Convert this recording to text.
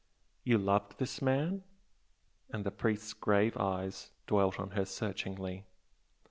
"You loved this man?" and the priest's grave eyes dwelt on her searchingly.